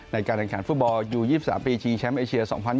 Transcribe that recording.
ในการแข่งขันฟุตบอลยู๒๓ปีชิงแชมป์เอเชีย๒๐๒๐